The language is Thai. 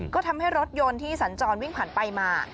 ก็ทำให้รถยนต์ที่สัญจรวิ่งผ่านไปมา